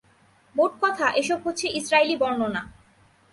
মোটকথা, এসব হচ্ছে ইসরাঈলী বর্ণনা।